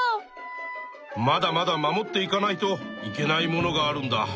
まだまだ守っていかないといけないものがあるんだ。